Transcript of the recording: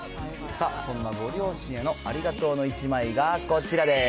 さあ、そんなご両親へのありがとうの１枚がこちらです。